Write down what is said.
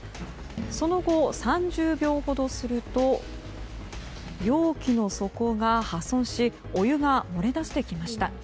その後３０秒ほどすると容器の底が破損しお湯が漏れ出してきました。